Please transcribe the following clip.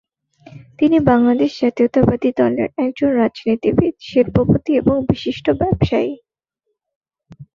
তিনি বাংলাদেশ জাতীয়তাবাদী দলের একজন রাজনীতিবিদ, শিল্পপতি এবং বিশিষ্ট ব্যবসায়ী।